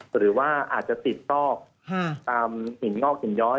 หรือว่าอาจจะติดซอกตามหินงอกหินย้อย